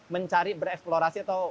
mencari bereksplorasi atau